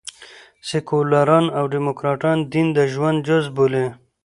سیکواران او ډيموکراټان دین د ژوند جزء بولي.